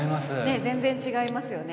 全然違いますよね